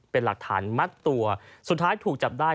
เป็นหลักฐานมัดตัวสุดท้ายถูกจับได้